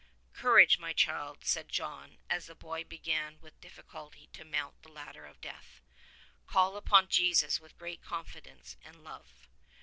"Courage, my child," said John as the boy began with difficulty to mount the ladder of death. "Call upon Jesus with great confidence and love."